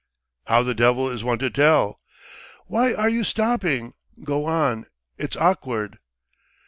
"How the devil is one to tell?" "Why are you stopping? Go on, it's awkward."